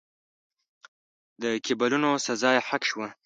د کېبولونو سزا یې حق شوه.